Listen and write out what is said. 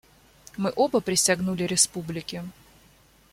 Мы оба присягнули Республике.